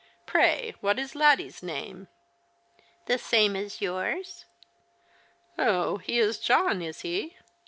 Pray, what is Laddie's name ?"" The same as yours." '• Oh, he is John, is he